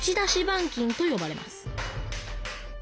板金とよばれます